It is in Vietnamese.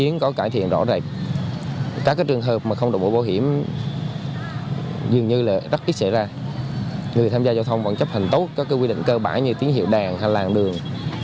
người tham gia giao thông vẫn chấp hành tốt các quy định cơ bản như tín hiệu đèn hành làng đường